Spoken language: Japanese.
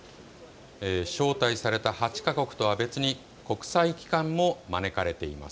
招待された８か国とは別に国際機関も招かれています。